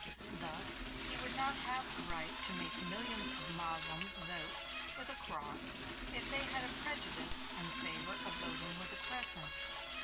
Thus he would not have a right to make millions of Moslems vote with a cross if they had a prejudice in favor of voting with a crescent.